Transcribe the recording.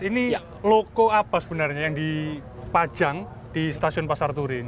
ini loko apa sebenarnya yang dipajang di stasiun pasar turi ini